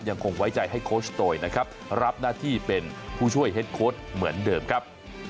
ยังคงไว้ใจให้โคชโตยนะครับรับหน้าที่เป็นผู้ช่วยเฮ็ดโค้ดเหมือนเดิมครับ